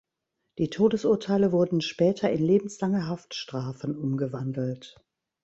Die Todesurteile wurden später in lebenslange Haftstrafen umgewandelt.